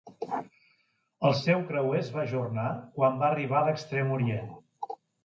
El seu creuer es va ajornar quan va arribar a l"Extrem Orient.